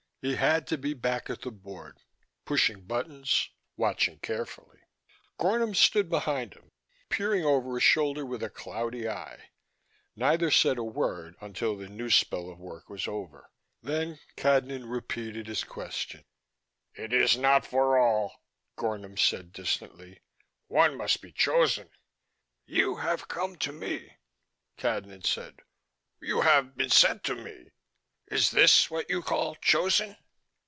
He had to be back at the board, pushing buttons, watching carefully. Gornom stood behind him, peering over his shoulder with a cloudy eye. Neither said a word until the new spell of work was over. Then Cadnan repeated his question. "It is not for all," Gornom said distantly. "One must be chosen." "You have come to me," Cadnan said. "You have been sent to me. Is this what you call chosen?"